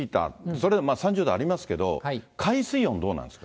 それでも３０度ありますけども、海水温、どうなんですか。